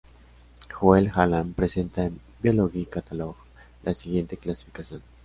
Joel Hallan presenta en "Biology Catalog" la siguiente clasificación.